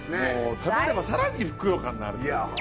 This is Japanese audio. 食べれば更にふくよかになるという。